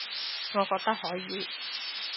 我覺得可以